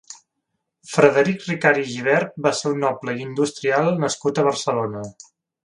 Frederic Ricart i Gibert va ser un noble i industrial nascut a Barcelona.